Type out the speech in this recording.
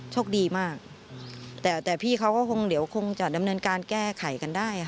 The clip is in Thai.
โชคดีมากแต่พี่เขาก็คงเดี๋ยวคงจะดำเนินการแก้ไขกันได้